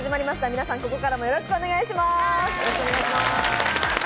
皆さん、ここからもよろしくお願いします。